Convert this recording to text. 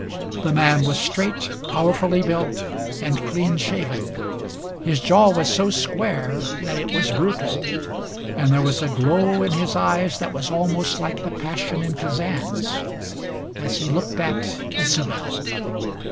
The man was straight, powerfully built and clean shaven. His jaw was so square that it was brutal, and there was a glow in his eyes that was almost like the passion in Kazan's as he looked at Isobel.